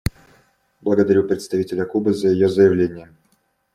Благодарю представителя Кубы за ее заявление.